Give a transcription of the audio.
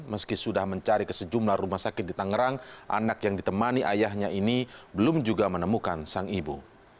meski sudah mencari ke sejumlah rumah sakit di tangerang anak yang ditemani ayahnya ini belum juga menemukan sang ibu